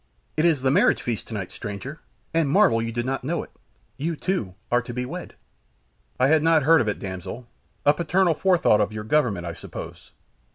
"It is the marriage feast tonight, stranger, and a marvel you did not know it. You, too, are to be wed." "I had not heard of it, damsel; a paternal forethought of your Government, I suppose?